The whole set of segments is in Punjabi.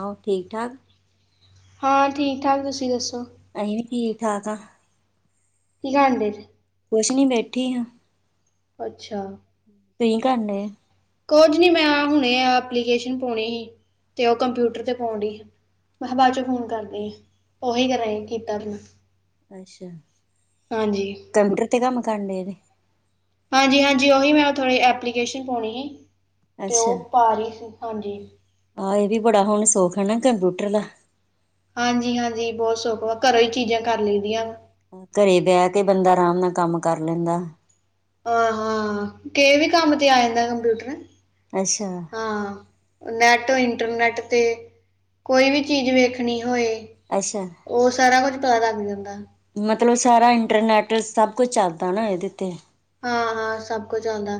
ਹੋ ਠੀਕ, ਠਾਕ? ਹਾਂ, ਠੀਕ-ਠਾਕ। ਤੁਸੀਂ ਦੱਸੋ? ਅਸੀਂ ਵੀ ਠੀਕ, ਠਾਕ ਹਾਂ। ਕੀ ਖਾਂਦੇ ਜੇ? ਕੁਛ ਨਈ, ਬੈਠੀ ਹਾਂ। ਅੱਛਾ। ਤੁਸੀਂ ਕਰਨ ਡਏ ਕੋਝ ਨੀ, ਮੈਂ ਹੁਣੇ ਅ ਐਪਲੀਕੇਸ਼ਨ ਪੋਣੀ ਹੀ ਤੇ, ਓਹ ਕੰਪਿਊਟਰ ਤੇ ਪੋਣ ਡੀ ਸਾ। ਮੈਂ ਬਾਅਦ ਚੋਂ ਫ਼ੋਨ ਕਰਦੀਂ, ਆ ਉਹੀ ਕਰਾ ਕੀਤਾ। ਅੱਛਾ। ਹਾਂਜੀ। ਕੰਪਿਊਟਰ ਤੇ ਕੰਮ ਕਰਣ ਦੇ ਨੇ। ਹਾਂਜੀ- ਹਾਂਜੀ, ਓਹੀ ਮੈਂ ਥੋੜੀ ਐਪਲੀਕੇਸ਼ਨ ਪਾਉਣੀ ਹੀ ਤੇ ਅੱਛਾ ਓਹ ਪਾ ਰੀ ਸੀ, ਹਾਂਜੀ। ਆਹ ਏਹ ਵੀ ਬੜਾ ਹੁਣ ਸੋਖ ਹੈ ਨਾ ਕੰਪਿਊਟਰ ਦਾ। ਹਾਂਜੀ ਹਾਂਜੀ, ਬਹੁਤ ਸੋਖ ਵਾ, ਘਰੋਂ ਹੀ ਚੀਜ਼ਾਂ ਕਰ ਲਈ ਦੀਆਂ। ਘਰੇ ਬਹਿ ਕੇ ਬੰਦਾ ਅਰਾਮ ਨਾਲ ਕੰਮ ਕਰ ਲੈਂਦਾ। ਅ ਹਾਂ, ਕੇ ਵੀ ਕੰਮ ਤੇ ਆ ਜਾਂਦਾ ਕੰਪਿਊਟਰ। ਅੱਛਾ। ਹਾਂ, ਨੈੱਟ ਇੰਟਰਨੈੱਟ 'ਤੇ ਕੋਈ ਵੀ ਚੀਜ਼ ਵੇਖਣੀ ਹੋਏ। ਅੱਛਾ ਓਹ ਸਾਰਾ ਕੁਝ ਪੈਦਾ ਹੋ ਜਾਂਦਾ। ਮਤਲਬ ਸਾਰਾ ਇੰਟਰਨੈੱਟ ਸਭ ਕੁਝ ਚੱਲਦਾ ਨਾ ਇਹਦੇ 'ਤੇ ਹਾਂ, ਹਾਂ। ਸਭ ਕੁਝ ਆਉਂਦਾ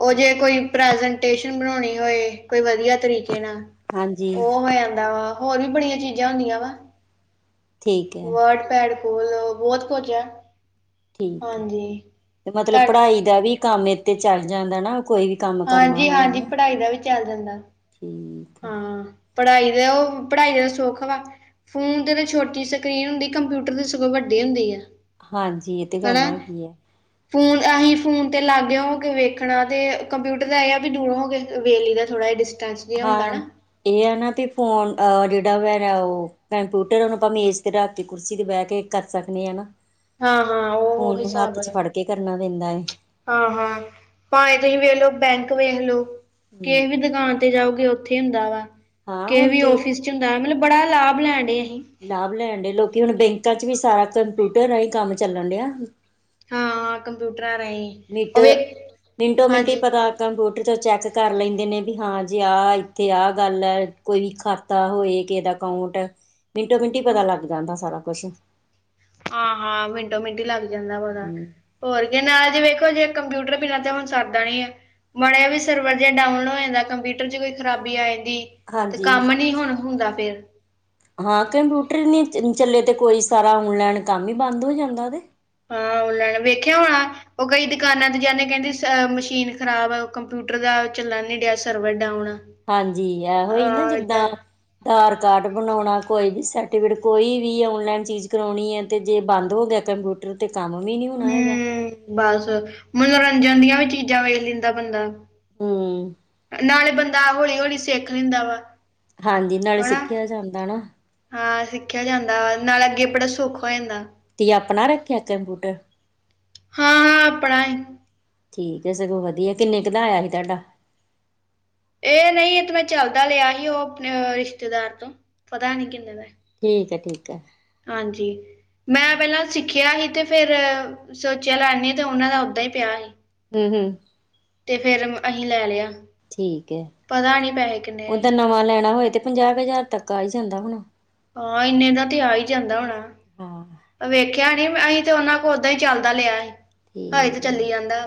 ਉਹ ਜੇ ਕੋਈ ਪ੍ਰੈਜਟੇਸ਼ਨ ਬਣਾਉਣੀ ਹੋਏ ਕੋਈ ਵਧੀਆ ਤਰੀਕੇ ਨਾਲ, ਹਾਂਜੀ ਉਹ ਹੋ ਜਾਂਦਾ ਵਾ। ਹੋਰ ਵੀ ਬੜੀਆਂ ਚੀਜ਼ਾਂ ਹੁੰਦੀਆਂ ਵਾ ਠੀਕ ਹੈ ਵਰਡ ਪੈਡ ਕੋਲ ਬਹੁਤ ਕੁਝ ਹੈ ਠੀਕ ਹੈ, ਮਤਲਬ ਪੜ੍ਹਾਈ ਦਾ ਵੀ ਕੰਮ ਇਥੇ ਚੱਲ ਜਾਂਦਾ ਨਾ ਕੋਈ ਵੀ। ਕੰਮ ਕਰਨਾ ਹਾਂਜੀ, ਹੋਇਆ ਹਾਂਜੀ। ਨਾ ਪੜ੍ਹਾਈ ਦਾ ਵੀ ਚੱਲ ਜਾਂਦਾ। ਠੀਕ। ਆ, ਹਾਂ, ਪੜ੍ਹਾਈ ਦਾ ਉਹ ਪੜ੍ਹਾਈ ਦਾ ਸੁਖ ਵਾ। ਫੋਨ ਤੇ ਛੋਟੀ ਸਕ੍ਰਰੀਨ ਹੁੰਦੀ, ਕੰਪਿਊਟਰ ਤੇ ਸਗੋਂ ਵੱਡੀ ਹੁੰਦੀ ਐ। ਹਾਂਜੀ। ਇਹ ਤੇ ਗੱਲ ਹੈਗੀ ਏ। ਫੋਨ ਅਸੀਂ ਫੋਨ 'ਤੇ ਲਾਗ ਹੋ ਕੇ ਵੇਖਣਾ ਅਤੇ ਕੰਪਿਊਟਰ ਦਾ ਇਹ ਆ ਵੀ ਦੂਰ ਹੋ ਕੇ ਵੇਖਲੀ ਦਾ ਥੋੜ੍ਹਾ ਜਿਹਾ ਡਿਸਟੈਂਸ ਜਿਹਾ ਹੁੰਦਾ ਹਾਂ। ਨਾ ਇਹ ਹੈ ਨਾ ਵੀ ਫੋਨ ਜਿਹੜਾ ਵੀ ਉਹ ਕੰਪਿਊਟਰ ਉਹਨੂੰ ਆਪਾਂ ਮੇਜ ਤੇ ਰੱਖ ਕੇ ਕੁਰਸੀ ਤੇ ਬਹਿ ਕੇ ਕਰ ਸਕਦੀ ਆ ਨਾ, ਹਾਂ ਹਾਂ ਉਹ ਫੋਨ ਉਹੀ ਨੂੰ ਹਿਸਾਬ ਹੱਥ ਚ ਹੈ ਫੜ ਕੇ ਕਰਨਾ ਪੈਂਦਾ। ਹਾਂ, ਹਾਂ ਭਾਵੇਂ ਤੁਸੀਂ ਵੇਖ ਲੋ ਬੈਂਕ, ਵੇਖ ਲੋ ਕਿਸੇ ਵੀ ਦੁਕਾਨ ਜਾਓਗੇ ਉੱਥੇ ਹੁੰਦਾ ਵਾ, ਹਾਂ ਕਿਸੇ ਹੁਣ ਵੀ ਤੇ ਆਫਿਸ 'ਚ ਹੁੰਦਾ ਵਾ ਮਤਲਬ ਬੜਾ ਲਾਭ ਲੈਂਣਦੇ ਅਹਿੰ। ਲਾਭ ਲੈਣ ਦਏ ਲੋਕੀ ਹੁਣ ਬੈਂਕਾਂ ਚ ਵੀ ਸਾਰਾ ਕੰਪਿਊਟਰ ਰਾਹੀਂ ਕੰਮ ਚੱਲਣ ਦਿਆ। ਹਾਂ, ਕੰਪਿਊਟਰਾਂ ਰਾਹੀਂ। ਨਿੰਟ, ਉਹ ਵੀ ਮਿੰਟੋ ਮਿੰਟ ਹੀ ਹਾਂਜੀ ਪਤਾ ਕੰਪਿਊਟਰ ਤੋਂ ਚੈੱਕ ਕਰ ਲੈਂਦੇ ਨੇ ਵੀ ਹਾਂ ਜੇ ਆਹ ਇੱਥੇ ਆਹ ਗੱਲ ਹੈ ਕੋਈ ਵੀ ਖਾ ਪਤਾ ਹੋਏ ਕਿਸੇ ਦਾ ਅਕਾਊਂਟ, ਮਿੰਟੋ ਮਿੰਟ ਹੀ ਪਤਾ ਲੱਗ ਜਾਂਦਾ ਸਾਰਾ ਕੁਛ ਹਾਂ, ਹਾਂ ਮਿੰਟੋ ਮਿੰਟ ਹੀ ਲੱਗ ਜਾਂਦਾ ਪਤਾ ਹੂੰ, ਹੋਰ ਕਿ ਨਾਲ ਜ ਵੇਖੋ ਜੇ ਕੰਪਿਊਟਰ ਬਿਨਾਂ ਤੇ ਹੁਣ ਸਰਦਾ ਨਹੀ, ਮਾੜਾ ਜਿਹਾ ਵੀ ਸਰਵਰ ਜੇ ਡਾਊਨਲੋਡ ਹੋ ਜਾਂਦਾ ਕੰਪਿਊਟਰ 'ਚ ਕੋਈ ਖਰਾਬੀ ਆ ਜਾਂਦੀ, ਤੇ ਹਾਂਜੀ ਕੰਮ ਨੀ ਹੁਣ ਹੁੰਦਾ ਫਿਰ ਹਾਂ ਕੰਪਿਊਟਰ ਨਹੀਂ ਚੱਲੇ ਤੇ ਕੋਈ ਸਾਰਾ ਔਨਲਾਈਨ ਕੰਮ ਹੀ ਬੰਦ ਹੋ ਜਾਂਦਾ ਤੇ। ਹਾਂ ਔਨਲਾਈਨ ਵੇਖਿਆ ਹੋਣਾ ਉਹ ਕਈ ਦੁਕਾਨਾਂ ਤੇ ਜਾਂਦੇ ਕਹਿੰਦੇ ਅ ਮਸ਼ੀਨ ਖਰਾਬ ਆ, ਕੰਪਿਊਟਰ ਦਾ ਚੱਲਣ ਨੀ ਦਿਆ ਸਰਵਰ ਡਾਊਨ ਆ ਹਾਂਜੀ, ਇਹੋ ਹੀ ਨਾ ਆ ਜਿੱਦਾਂ ਏਦਾਂ ਆਧਾਰ ਕਾਰਡ ਬਣਾਉਣਾ ਕੋਈ ਵੀ ਸਰਟੀਫਿਕੇਟ ਕੋਈ ਵੀ ਔਨਲਾਈਨ ਚੀਜ਼ ਕਰਵਾਉਣੀ ਹੈ ਤੇ ਜੇ ਬੰਦ ਹੋ ਗਿਆ ਕੰਪਿਊ ਤੇ ਕੰਮ ਵੀ ਨਹੀਂ ਹੋਣਾ ਹੈਗਾ। ਹੂੰ ਬਸ, ਮੰਨੋਰੰਜਨ ਦੀਆਂ ਵੀ ਚੀਜ਼ਾਂ ਵੇਖ ਲੈਂਦਾ ਬੰਦਾ ਹਮ ਨਾਲੇ ਬੰਦਾ ਹੌਲੀ -ਹੌਲੀ ਸਿੱਖ ਲੈਂਦਾ ਵਾ। ਹਾਂਜੀ ਨਾਲੇ ਹਨਾ ਸਿੱਖਿਆ ਜਾਂਦਾ ਨਾ ਹਾਂ ਸਿੱਖਿਆ ਜਾਂਦਾ ਨਾਲ ਅੱਗੇ ਬੜਾ ਸੁਖ ਹੋ ਜਾਂਦਾ ਤੁਹੀ ਆਪਣਾ ਰੱਖਿਆ ਕੰਪਿਊਟਰ। ਹਾਂ, ਹਾਂ ਆਪਣਾ ਠੀਕ ਹੈ ਸਗੋਂ ਵਧੀਆ, ਕਿੰਨੇ ਕੁ ਦਾ ਆਇਆ ਸੀ ਤੁਹਾਡਾ ਇਹ ਨਹੀਂ ਇਹ ਤੇ ਮੈਂ ਚੱਲਦਾ ਲਿਆ ਹੀ ਉਹ ਆਪਣੇ ਰਿਸ਼ਤੇਦਾਰ ਤੋਂ, ਪਤਾ ਨੀ ਕਿੰਨੇ ਦਾ ਠੀਕ ਏ ਠੀਕ ਐ ਹਾਂਜੀ। ਮੈਂ ਪਹਿਲਾਂ ਸਿੱਖਿਆ ਸੀ, ਤੇ ਫਿਰ ਸੋਚਿਆ ਲੈਂਦੀ ਤੇ ਉਹਨਾਂ ਦਾ ਓਦਾਂ ਹੀ ਪਿਆ ਸੀ ਹਮ ਹਮ। ਤੇ ਫੇਰ ਅਹੀ ਲੈ ਲਿਆ। ਠੀਕ ਹੈ ਪਤਾ ਨਹੀਂ ਪੈਸੇ ਕਿੰਨੇ ਆਏ ਓਦਾਂ ਨਵਾਂ ਲੈਣਾ ਹੋਏ ਤੇ ਪੰਜਾਹ ਹਜ਼ਾਰ ਤੱਕ ਆਈ ਜਾਂਦਾ ਹੋੁਣਾ। ਹਾਂ ਇੰਨੇ ਦਾ ਤੇ ਆ ਹੀ ਜਾਂਦਾ ਹਾਂ ਹੋਣਾ। ਵੇਖਿਆ ਨੀ ਅਸੀਂ ਤੇ ਉਹਨਾ ਕੋਲ ਓਦਾਂ ਹੀ ਚੱਲਦਾ ਲਿਆ ਸੀ ਠੀਕ ਹਾਈ ਤੇ ਹੈ। ਚੱਲੀ ਜਾਂਦਾ।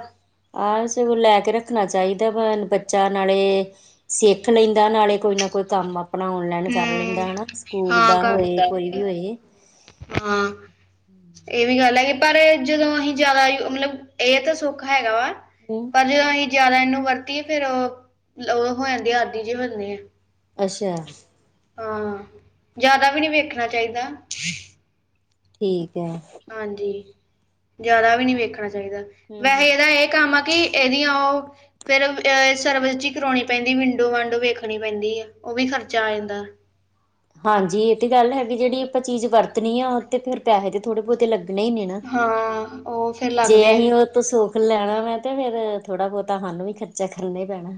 ਆਹ ਲੈ ਕੇ ਰੱਖਣਾ ਚਾਹੀਦਾ ਵਾ ਬੱਚਾ ਨਾਲੇ ਸਿੱਖ ਲੈਂਦਾ ਨਾਲੇ ਕੋਈ ਨਾ ਕੋਈ ਕੰਮ ਆਪਣਾ ਔਨਲਾਈਨ ਕਰ ਹੂੰ ਲੈਂਦਾ ਹੈਾ ਸਕੂਲ ਹਾਂ ਦਾ ਕਰ ਹੋਏ ਹੁੰਦਾ ਕੋਈ ਹੈ। ਵੀ ਹੋਏ। ਹਾਂ। ਇਹ ਵੀ ਗੱਲ ਹੈਗੀ ਪਰ ਜਦੋਂ ਅਸੀਂ ਜ਼ਿਆਦਾ ਮਤਲਬ ਇਹ ਤਾਂ ਸੌਖਾ ਹੈਗਾ ਵਾ ਹਮ ਪਰ ਜੋਂ ਅਸੀਂ ਜਿਆਦਾ ਇਹਨੂੰ ਵਰਤੀਏ ਫੇਰ ਉਹ ਉਹ ਹੋ ਜਾਂਦੇ ਆਦੀ ਜੀ ਹੁੰਦੇ ਆ। ਅੱਛਾ। ਹਾਂ ਜ਼ਿਆਦਾ ਵੀ ਨਹੀਂ ਵੇਖਣਾ ਚਾਹੀਦਾ ਠੀਕ ਐ। ਹਾਂਜੀ ਜਿਆਦਾ ਵੀ ਨੀ ਵੇਖਣਾ ਚਾਹੀਦਾ ਹਮ ਹਮ ਵੈਸੇ ਇਹਦਾ ਇਹ ਕੰਮ ਆ ਕਿ ਇਹਦੀਆਂ ਉਹ ਫੇਰ ਸਰਵਿਸ ਜ ਕਰਾਉਣੀ ਪੈਂਦੀ ਵਿੰਡੋ ਵਾਂਡੋ ਵੇਖਣੀ ਪੈਂਦੀ ਹੈ ਉਹ ਵੀ ਖਰਚਾ ਆ ਜਾਂਦਾ। ਹਾਂਜੀ ਇਹ ਤੇ ਗੱਲ ਹੈਗੀ ਜਿਹੜੀ ਆਪਾਂ ਚੀਜ਼ ਵਰਤਣੀ ਆ ਤੇ ਫਿਰ ਪੈਸੇ ਤੇ ਥੋੜੇ ਬਹੁਤੇ ਲੱਗਣੇ ਹੀ ਨੇ। ਨਾ ਹਾਂ ਉਹ ਫੇਰ ਲੱਗਦੇ ਆ ਤ ਸੁੱਖ ਲੈਣਾ ਵੈਂ ਤੇ ਫੇਰ ਥੋੜਾ ਬਹੁਤਾ ਸਾਨੂੰ ਵੀ ਖਰਚਾ ਕਰਨਾ ਹੀ ਪੈਣਾ।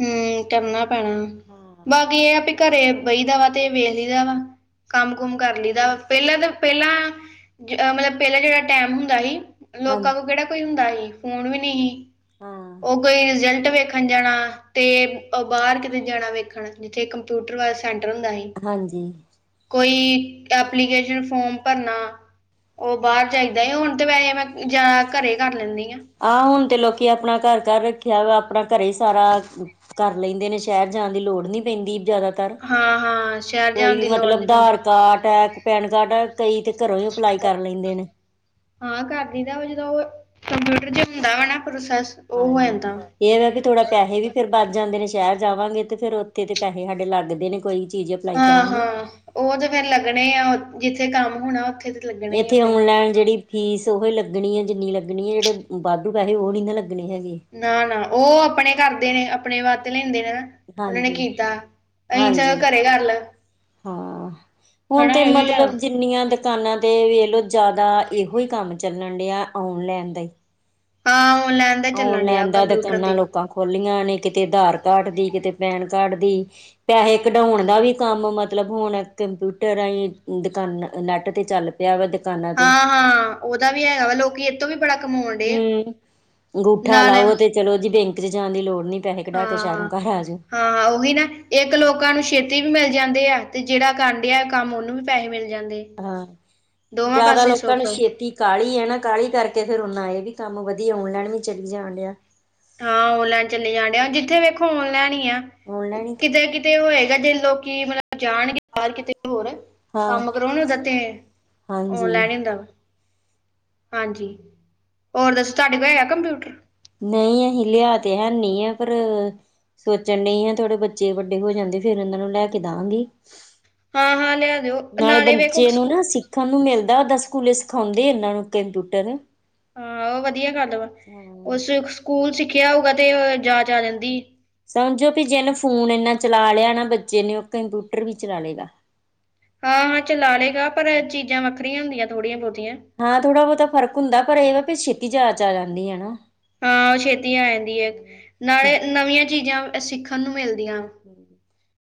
ਹੂੰ ਕਰਨਾ ਪੈਣਾ ਹਾਂ ਬਾਕੀ ਇਹ ਆ ਵੀ ਘਰੇ ਬਹੀ ਦਾ ਵਾ ਤੇ ਵੇਖਲੀ ਦਾ ਵਾ। ਕੰਮ ਕੁਮ ਕਰ ਲਈਦਾ ਪਹਿਲਾਂ ਤਾਂ ਪਹਿਲਾਂ ਮਤਲਬ ਪਹਿਲਾਾਂ ਜਿਹੜਾ ਟੈਮ ਹੁੰਦਾ ਹੀ। ਹਾਂ ਲੋਕਾਂ ਕੋਲ ਕਿਹੜਾ ਕੋਈ ਹੁੰਦਾ ਸੀ ਫੋਨ ਵੀ ਨਹੀਂ ਸੀ। ਹਾਂ ਉਹ ਕੋਈ ਰਿਜਲਟ ਵੇਖਣ ਜਾਣਾ। ਤੇ ਬਾਹਰ ਕਿਤੇ ਜਾਣਾ ਵੇਖਣ ਜਿੱਥੇ ਕੰਪਿਊਟਰ ਵਾਲਾ ਸੈਂਟਰ ਹੁੰਦਾ ਸੀ। ਹਾਂਜੀ ਕੋਈ ਐਪਲੀਕੇਸ਼ਨ ਫੋਮ ਭਰਨਾ। ਉਹ ਬਾਹਰ ਜਾਈਦਾ ਹੁਣ ਤੇ ਵੈਸੇ ਮੈਂ ਜ਼ਿਆਦਾ ਘਰੇ ਕਰ ਲੈਂਦੀ ਆਾਂ। ਆਹ ਹੁਣ ਤੇ ਲੋਕੀ ਆਪਣਾ ਘਰ -ਘਰ ਰੱਖਿਆ ਵਾ ਆਪਣਾ ਘਰੇ ਹੀ ਸਾਰਾ ਕਰ ਲੈਂਦੇ ਨੇ ਸ਼ਹਿਰ ਜਾਣ ਦੀ ਲੋੜ ਨੀ ਪੈਂਦੀ ਜ਼ਿਆਦਾਤਰ। ਹਾਂ ਹਾਂ। ਸ਼ਹਿਰ ਜਾਣ ਕੋਈ ਵੀ ਦੀ ਲੋੜ ਮਤਲਬ ਨਹੀਂ ਆਧਾਰ ਪੈਂਦੀ ਕਾਰਡ ਹੈ ਪੈਨ ਕਾਰਡ ਹੈ ਕਈ ਤੇ ਘਰੋਂ ਹੀ ਅਪਲਾਈ ਕਰ ਲੈਂਦੇ ਨੇ। ਹਾ। ਕਰਦੀਦਾ ਜਦੋਂ ਉਹ ਕੰਪਿਊਟਰ ਚ ਹੁੰਦਾ ਵਾ ਨਾ ਪ੍ਰੋਸੈਸ ਉਹ ਹੋ ਹਾਂਜੀ ਜਾਂਦਾ ਵਾ ਇਹਦਾ ਵੀ ਥੋੜਾ ਪੈਸੇ ਵੀ ਫਿਰ। ਬਚ ਜਾਂਦੇ ਨੇ ਸ਼ਹਿਰ ਜਾਵਾਂਗੇ ਤੇ ਫੇਰ ਉੱਥੇ ਤੇ ਪੈਸੇ ਸਾਡੇ ਲੱਗਦੇ ਨੇ ਕੋਈ ਚੀਜ਼ ਅਪਲਾਈ ਹਾਂ ਕਰਾਂਗੇ ਹਾਂ ਉਹ ਤੇ ਫੇਰ ਲੱਗਣੇ ਆ ਜਿੱਥੇ ਕੰਮ ਹੋਣਾ ਉੱਥੇ ਲੱਗਣੇ ਹੀ ਆ ਇੱਥੇ ਫਿਰ ਔਨਲਾਈਨ ਜਿਹੜੀ ਫੀਸ ਉਹੀ ਲੱਗਣੀ ਹੈ ਜਿੰਨੀ ਲੱਗਣੀ ਹੈ ਜਿਹੜੇ ਵਾਧੂ ਪੈਸੇ ਉਹ ਨਹੀਂ ਨਾ ਲੱਗਣੇ ਹੈਗੇ। ਨਾ ਨਾ ਉਹ ਆਪਣੇ ਕਰਦੇ ਨੇ ਆਪਣੇ ਵਧ ਲੈਂਦੇ ਨੇ ਨਾ। ਉਹਨਾਂ ਨੇ ਹਾਂਜੀ ਕੀਤਾ ਅਹੀ ਚ ਹਾਂਜੀ ਘਰੇ ਕਰੱਲ ਹਾਂ ਹੁਣ ਤੇ ਵੀ ਹੈ ਮਤਲਬ ਜੀ। ਜਿੰਨੀਆਂ ਦੁਕਾਨਾਂ ਤੇ ਵੇਖਲੋ ਜ਼ਿਆਦਾ ਇਹੋ ਹੀ ਕੰਮ ਚੱਲਣ ਡਿਆ ਆਉਣ ਲੈਣ ਦਾ ਹੀ। ਹਾਂ ਆਨਲਾਈਨ ਦਾ ਚੱਲਣ ਡਿਆ ਆਨਲਾਈਨ ਦਾ ਤੇ ਦਿਖਾਉਣ ਕੰਪਿਊਟਰ ਦਾ ਲੋਕਾਂ। ਕੋਲੀਆਂ ਨੇ ਕਿਤੇ ਆਧਾਰ ਕਾਰਡ ਦੀ ਕਿਤੇ ਪੈਨ ਕਾਰਡ ਦੀ ਪੈਸੇ ਕਢਾਉਣ ਦਾ ਵੀ ਕੰਮ ਮਤਲਬ ਹੁਣ ਕੰਪਿਊਟਰਾਂ ਹੀ ਦੁਕਾਨਾਂ ਨੈਟ ਤੇ ਚੱਲ ਪਿਆ ਵਾ ਦੁਕਾਨਾਂ ਤੇ। ਹਾਂ ਹਾਂ ਉਹਦਾ ਵੀ ਹੈਗਾ ਵਾ ਲੋਕੀ ਇਤੋਂ ਵੀ ਬੜਾ ਕਮਾਉਣ ਡ ਹਮ ਅੰਗੂਠਾ ਨਾਲ ਲਾਓ ਤੇ ਚਲੋ ਜੀ ਬੈਂਕ ਚ ਜਾਣ ਦੀ ਲੋੜ ਨੀ ਪੈਸੇ ਕਢਾ ਕੇ ਸ਼ਾਹਰੋ ਨੂ ਘਰ ਆ ਜਾਓ। ਹਾਂ ਉਹੀ ਨਾ ਇੱਕ ਲੋਕਾਂ ਨੂੰ ਛੇਤੀ ਵੀ ਮਿਲ ਜਾਂਦੇ ਆ ਤੇ ਜਿਹੜਾ ਕਰਨ ਡਿਆ ਕੰਮ ਉਹਨੂੰ ਵੀ ਪੈਸੇ ਮਿਲ ਜਾਂਦੇ। ਹਾਂ ਦੋਵਾਂ ਜਿਆਦਾ ਪਾਸੇ ਲੋਕਾਂ ਸੁੱਖ ਨੂੰ ਛੇਤੀ। ਕਾਹਲੀ ਆ ਨਾ ਕਾਹਲੀ ਕਰਕੇ ਫੇਰ ਨਾ ਆ ਵੀ ਕੰਮ ਵਧੀਆ ਆਉਣ ਲੈਨ ਵੀ ਚਲੀ ਜਾਣ ਡਿਆ। ਹਾਂ ਓਨਲਾੈਨ ਚਲੇ ਜਾਣ ਡ ਜਿੱਥੇ ਵੇਖੋ ਨ ਲੈਣ ਈ ਆ। ਔਨਲਾਈਨ ਹੀ ਕਿਤੇ ਕਿਤੇ ਉਹ ਹੈਗਾ ਦੇਨ ਲੋਕੀ ਕਿ ਮਤਲਬ ਜਾਣਗੇ ਬਰ ਕਿਤੇ ਹੋਰ। ਹਾਂ ਕੰਮ ਕਰੋ ਉਹਦਾ ਤੇ। ਹਾਂਜੀ। ਔਨਲਾਈਨ ਹੀ ਹੁੰਦਾ ਵਾ ਹਾਂਜੀ ਹੋਰ ਦੱਸੋ ਤੁਹਾਡੇ ਕੋਲ ਹੈ ਕੰਪਿਊਟਰ? ਨਹੀਂ ਅਸੀਂ ਲਿਆ ਤੇ ਹੈਨੀ ਹੈ ਪਰ ਸੋਚਣ ਡਈ ਆ, ਥੋੜੇ ਬੱਚੇ ਵੱਡੇ ਹੋ ਜਾਂਦੇ ਫੇਿਰ ਉਹਨਾਂ ਨੂੰ ਲੈ ਕੇ ਦਾਂਗੀ। ਹਾਂ-ਹਾਂ ਲਿਆ ਦਿਓ ਨਾਲੇ, ਵੇਖੋ ਬੱਚੇ ਨੂੰ ਸਕੂ ਨਾ ਸਿੱਖ ਖਣ ਨੂੰ ਮਿਲਦਾ, ਉੱਦਾਂ ਸਕੂਲੇ ਸਿਖਾਉਂਦੇ ਇਹਨਾਂ ਨੂੰ ਕੰਪਿਊਟਰ। ਹਾਂ, ਉਹ ਵਧੀਆ ਗੱਲ ਵਾ ਹਾਂ ਉਸ ਸਕੂਲ ਸਿੱਖਿਆ ਹੋਊਗਾ ਤੇ ਜਾਚ ਆ ਜਾਂਦੀ। ਸਮਝੋ ਵੀ ਜਿਹਨੂੰ ਫੋਨ ਇੰਨਾ ਚਲਾ ਲਿਆ ਨਾ ਬੱਚੇ ਨੇ, ਉਹ ਕੰਪਿਊਟਰ ਵੀ ਚਲਾ ਲੈਗਾ। ਹਾਂ -ਹਾਂ, ਚਲਾ ਲਏਗਾ ਪਰ ਏਚ ਚੀਜ਼ਾਂ ਵੱਖਰੀਆਂ ਹੁੰਦੀਆਂ ਥੋੜ੍ਹੀਆਂ ਬਹੁਤੀਆਂ। ਹਾਂ, ਥੋੜਾ ਬਹੁਤਾ ਫਰਕ ਹੁੰਦਾ ਪਰ ਇਹ ਵ ਵੀ ਛੇਤੀ ਜਾਚ ਆ ਜਾਂਦੀ ਹੈ ਨਾ। ਹਾਂ, ਛੇਤੀ ਆ ਜਾਂਦੀ ਹੈ ਨਾਲੇ ਨਵੀਆਂ ਚੀਜ਼ਾਂ ਸਿੱਖਣ ਨੂੰ ਮਿਲਦੀਆਂ।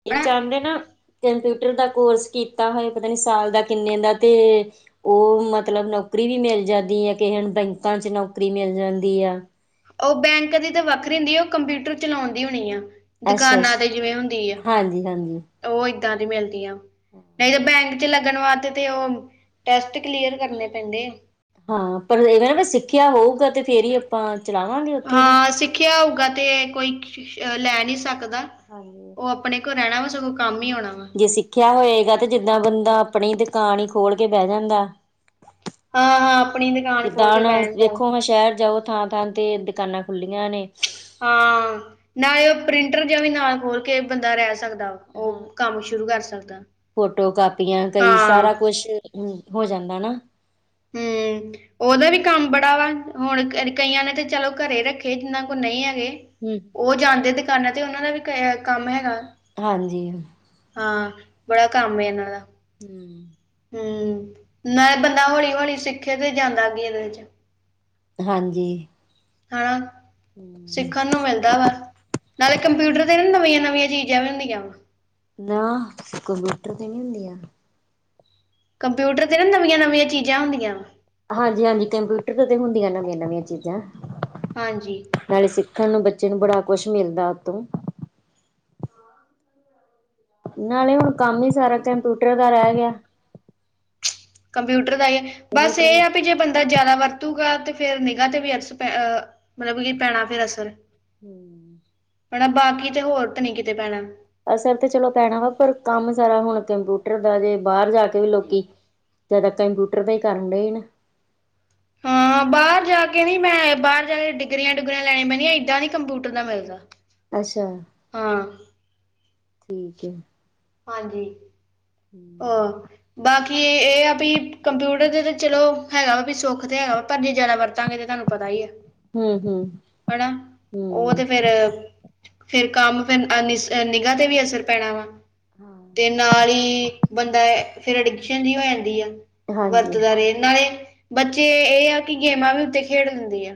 ਇਹ ਹਨਾ ਚਾਹੰਦੇ ਨਾ ਕੰਪਿਊਟਰ ਦਾ ਕੋਰਸ ਕੀਤਾ ਹੋਆ, ਪਤਾ ਨਹੀਂ ਸਾਲ ਦਾ ਕਿੰਨੇ ਦਾ ਤੇ ਉਹ ਮਤਲਬ ਨੌਕਰੀ ਵੀ ਮਿਲ ਜਾਂਦੀ ਹੈ, ਕਿਸੇ ਹਣ ਬੈਂਕਾਂ ਚ ਨੌਕਰੀ ਮਿਲ ਜਾਂਦੀ ਆ। ਉਹ ਬੈਂਕ ਦੀ ਤੇ ਵੱਖਰੀ ਹੁੰਦੀ ਆ ਉਹ ਕੰਪਿਊਟਰ ਚਲਾਉਣ ਦੀ ਹੋਣੀ ਆਂ। ਅੱਛਾ ਦੁਕਾਨਾਂ ਅੱਛਾ ਤੇ, ਜਿਵੇਂ ਹੁੰਦੀ ਆ। ਹਾਂਜੀ ਹਾਂਜੀ ਉਹ ਏਦਾਂ ਦੀ ਮਿਲਦੀਆਂ, ਨਹੀਂ ਤਾਂ ਬੈਂਕ ਚ ਲੱਗਣ ਵਾਸਤੇ ਤੇ ਉਹ ਟੈਸਟ, ਕਲੀਅਰ ਕਰਨੇ ਪੈਂਦੇ ਏ। ਹਾਂ, ਪਰ ਇਨਾਂ ਨੇ ਵੀ ਸਿੱਖਿਆ ਹੋਊਗਾ ਤੇ ਫੇਰ ਹੀ ਆਪਾਂ ਚਲਾਵਾਂਗੇ ਉੱਥੇ ਵੀ। ਸਿਖਿਆ ਹੋਊਗਾ ਤੇ ਕੋਈ ਲੈ ਨਹੀਂ ਸਕਦਾ ਹਾਂਜੀ ਉਹ ਆਪਣੇ ਕੋਲ ਰਹਿਣਾ ਵਾ, ਸਗੋਂ ਕੰਮ ਹੀ ਹੋਣਾ ਵਾ। ਜੇ ਸਿੱਖਿਆ ਹੋਏਗਾ ਤੇ ਜਿੱਦਾਂ ਬੰਦਾ, ਆਪਣੀ ਦੁਕਾਨ ਹੀ ਖੋਲ ਕੇ ਬਹਿ ਜਾਂਦਾ। ਹਾਂ ਹਾਂ ਆਪਣੀ ਦੁਕਾਨ ਜਿਦਾ ਖੋਲ ਕੇ ਹੁਣ, ਬਹਿਣ ਦਾ ਦੇਖੋ ਮੈ ਸ਼ਹਿਰ ਜਾਓ ਥਾਂ ਥਾਂ ਤੇ ਦੁਕਾਨਾਂ ਖੁੱਲੀਆਂ ਨੇ ਹਾਂ, ਨਾਲੇ ਪ੍ਰਿੰਟਰ ਜੇਹਾ ਵੀ ਨਾਲ ਖੋਲ ਕੇ ਬੰਦਾ ਰਹਿ ਸਕਦਾ ਵਾ। ਹਾਂ, ਫੋਟੋ ਕਾਪੀਆਂ ਕਈ ਹਾਂ ਸਾਰਾ ਕੁਛ ਹੂੰ, ਹੋ ਜਾਂਦਾ ਨਾ। [inaudible] ਹਮ, ਉਹਦਾ ਵੀ ਕੰਮ ਬੜਾ ਵਾ ਹੁਣ ਕਈਆਂ ਨੇ ਤੇ ਚਲੋ ਘਰੇ ਰੱਖੇ ਜਿੰਨਾ ਕੋਲ ਨਹੀਂ ਹੈਗੇ ਹੂੰ। ਉਹ ਜਾਂਦੇ ਦੁਕਾਨਾਂ ਤੇ, ਉਹਨਾਂ ਦਾ ਵੀ ਕ ਕੰਮ ਹੈਗਾ। ਹਾਂਜੀ। ਹਾਂ, ਬੜਾ ਕੰਮ [unintelligible] ਆ। ਹੂੰ। ਹੂੰ, ਨਈ ਬੰਦਾ ਹੌਲੀ -ਹੌਲੀ ਸਿੱਖੇ ਤੇ ਜਾਂਦਾ ਅ ਗ ਇਹਦੇ ਚ ਹਾਂਜੀ। ਹਨਾ, ਸਿੱਖਣ ਨੂੰ ਮਿਲਦਾ ਵਾ, ਨਾਲੇ ਕੰਪਿਊਟਰ ਤੇ ਨਾ ਨਵੀਆ, ਨਵੀਆਂ ਚੀਜ਼ਾਂ ਵੀ ਹੁੰਦੀਆਂ ਵਾ। ਨਾ, ਕੰਪਿਊਟਰ ਤੇ ਨਹੀਂ ਹੁੰਦੀ ਆ। ਕੰਪਿਊਟਰ ਤੇ ਨਾ ਨਵੀਆਂ, ਨਵੀਆਂ ਚੀਜ਼ਾਂ ਹੁੰਦੀਆ। ਹਾਂਜੀ, ਹਾਂਜੀ ਕੰਪਿਊਟਰ ਤੇ, ਤੇ ਹੁੰਦੀਆਂ ਨਵੀਆਂ- ਨਵੀਆਂ ਚੀਜ਼ਾਂ। ਹਾਂਜੀ। ਨਾਲੇ ਸਿੱਖਣ ਨੂੰ, ਬੱਚੇ ਨੂੰ ਬੜਾ ਕੁਛ ਮਿਲਦਾ ਉਤੋਂ। ਨਾਲੇ ਹੁਣ, ਕੰਮ ਹੀ ਸਾਰਾ ਕੰਪਿਊਟਰ ਦਾ ਰਹਿ ਗਿਆ। ਕੰਪਿਊਟਰ ਦਾ ਹੀ, ਬਸ ਇਹ ਹੂੰ ਆ ਵੀ ਜੇ ਬੰਦਾ ਜ਼ਿਆਦਾ ਵਰਤੂਗਾ ਤੇ ਫੇਰ ਨਿਗਾ ਤੇ ਵੀ ਅਸ ਪ ਮਤਲਬ ਕਿ ਪੈਣਾ ਫੇਰ ਅਸਰ ਹੂੰ। ਭੈਣਾ, ਬਾਕੀ ਤੇ ਹੋਰ ਤਾਂ ਨ ਕਿਤੇ ਪੈਣਾ। ਅਸਰ ਤਾਂ ਚਲੋ ਪੈਣਾ ਵਾ ਪਰ ਕੰਮ ਸਾਰਾ ਹੁਣ ਕੰਪਿਊਟਰ ਦਾ ਜੇ ਬਾਹਰ ਜਾ ਕੇ ਵੀ ਲੋਕੀ ਜਿਆਦਾ ਕੰਪਿਊਟਰ ਦਾ ਹੀ ਕਰਨ ਡਏ ਨੇ। ਹਾਂ, ਬਾਰ ਬਾਹਰ ਜਾ ਕੇ ਨੀ ਮੈਂ ਬਾਹਰ ਜਾਕੇ ਡਿਗਰੀਆਂ ਡੁਗਰੀਆਂ ਲੈਣਆਂ ਪੈਨੀਆ ਇਦਾਂ ਕੰਪਿਊਟਰ ਦਾ ਮਿਲਦਾ। ਅੱਛਾ, ਹਾਂ ਠੀਕ ਏ। ਹਾਂਜੀ। ਹੂੰ ਹੂ। ਬਾਕੀ ਇਹ ਆ ਵੀ, ਕੰਪਿਊਟਰ ਤਾਂ ਚਲੋ ਹੈਗਾ ਵਾ ਵੀ ਸੁੱਖ ਤਾਂ ਹੈਗਾ ਵਾ। ਪਰ ਜੇ ਜ਼ਿਆਦਾ ਵਰਤਾਂਗੇ ਤਾਂ ਤੁਹਾਨੂੰ ਪਤਾ ਹੀ ਹੈ। ਹੂੰ ਹਨਾ। ਉਹ ਹੂੰ ਤੇ ਫੇਰ ਫੇਰ ਕੰਮ, ਫਿਰ ਨਿਗਾਾ ਤੇ ਵੀ ਅਸਰ ਪੈਣਾ ਵਾ। ਹਾਂ। ਤੇ ਨਾਲ ਹੀ ਬੰਦਾ ਫੇਰ ਅਡਿਕਸ਼ਨ ਦੀ ਹੋ ਜਾਂਦੀ ਆ। ਹਾਂਜੀ ਵਰਤਦਾ ਰੇ ਲਵੜ। ਨਾਲੇ ਬੱਚੇ, ਇਹ ਆ ਕਿ ਗੇਮਾਂ ਵੀ ਉੱਤੇ ਖੇਡ ਦਿੰਦੀਆ।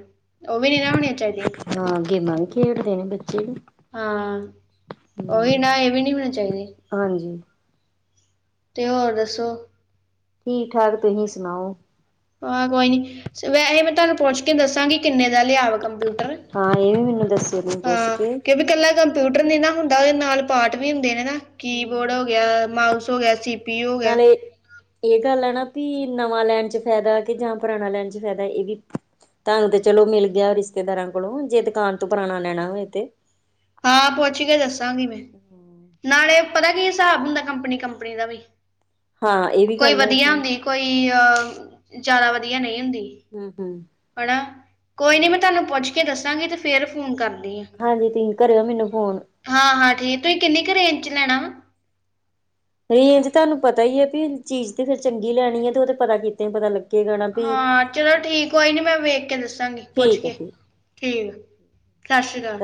ਉਹ ਵੀ ਨਹੀਂ ਨਾ ਹੋਣੀਆਂ ਚਾਹੀਦੀਆਂ। ਹਾਂ। ਗੇਮਾਂ ਵੀ ਖੇਡਦੇ ਨੇ ਬੱਚੇ ਵੀ। ਹਾਂ। ਉਹੀ ਹੂੰ ਨਾ, ਇਹ ਵੀ ਨਹੀਂ ਹੋਣੇ ਚਾਹੀਦੀ। ਹਾਂਜੀ। ਤੇ ਹੋਰ ਦੱਸੋ? ਠੀਕ -ਠਾਕ ਤੁਸੀਂ ਸੁਣਾਓ? ਹਾਂ, ਕੋਈ ਨੀ, ਵੈਸੇ ਮੈਂ ਤੁਹਾਨੂੰ ਪਹੁੰਚ ਕੇ ਦੱਸਾਂਗੀ ਕਿੰਨੇ ਦਾ ਲਿਆਵੇਗਾ। ਕੰਪਊਟਰ। ਹਾਂ ਇਹ ਵੀ ਮੈਨੂੰ ਦੱਸਿਓ ਤੁਸੀਂ ਪੁੱਛ ਹਾਂ, ਕੇ ਕਿਵੇਂ ਕਲਾਂ ਕੰਪਿਊਟਰ ਨਹੀਂ ਨਾ ਹੁੰਦਾ ਉਹਦੇ ਨਾਲ ਪਾਟ ਵੀ ਹੁੰਦੇ ਨੇ। ਨਾ ਕੀ ਹੂੰ ਬੋਰਡ ਹੋ ਗਿਆ, ਮਾਊਸ ਹੋ ਗਿਆ, ਸੀ ਪੀ ਨਾਲ ਲੇ। ਇਹ ਗੱਲ ਹੈ ਨਾ ਵੀ ਨਵਾਂ ਲੈਣ 'ਚ ਫਾਇਦਾ, ਕਿ ਜਾਂ ਪੁਰਾਣਾ ਲੈਣ ਚ' ਫਾਇਦਾ ਇਹ ਵੀ। ਹੁਣ ਤੇ ਚਲੋ ਮਿਲ ਗਿਆ ਰਿਸ਼ਤੇਦਾਰਾਂ ਕੋਲੋਂ, ਜੇ ਦੁਕਾਨ ਤੂੰ ਪੁਰਾਣਾ ਲੈਣਾ ਹੋਵੇ ਤੇ। ਹਾਂ ਪੱਛ ਕੇ ਦੱਸਾਂਗੀ ਮੈਂ। ਨਾਲੇ ਪਤਾ ਕੀ ਹਿਸਾਬ ਹੁੰਦਾ, ਕੰਪਨੀ -ਕੰਪਨੀ ਦਾ ਵੀ। ਹਾਂ ਇਹ ਵੀ ਕੋਈ ਗੱਲ ਵਧੀਆ ਹੈਗੀ ਹੁੰਦੀ। ਕੋਈ ਅਹ ਜ਼ਿਆਦਾ ਵਧੀਆ ਨਹੀਂ ਹੁੰਦੀ। ਹੂੰ ਹੂੰ ਹਨਾ। ਕੋਈ ਨੀ ਮੈਂ ਤੁਹਾਨੂੰ ਪੁੱਛ ਕੇ ਦੱਸਾਂਗੀ ਤੇ ਫੇਰ ਫੋਨ ਕਰਦੀ ਆਂ। ਹਾਂਜੀ। ਤੁਸੀਂ ਕਰਿਓ ਮੈਨੂੰ ਫੋਨ। ਹਾਂ -ਹਾਂ ਠੀਕ। ਤੁਸੀਂ ਕਿੰਨੀ ਕੁ ਰੇਂਜ ਚ ਲੈਣਾ ਵਾ? ਰੇਂਜ ਤੁਹਾਨੂੰ ਪਤਾ ਹੀ ਹੈ ਵੀ, ਚੀਜ਼ ਤੇ ਫਰ ਚੰਗੀ ਲੈਣੀ ਹੈ ਤੇ ਉਹ ਤੇ ਪਤਾ ਕਿਤੇ ਪਤਾ ਲੱ। ਹਾਂ। ਚਲੋ ਠੀਕ। ਕੋਈ ਨੀ ਮੈਂ ਵੇਖ, ਕੇ ਦੱਸਾਂਗੀ ਪੁੱਛ ਠੀਕ ਹੈ ਕੇ ਠੀਕ ਠੀਕ। ਸਤਿ ਸ਼੍ਰੀ ਅਕਾਲ।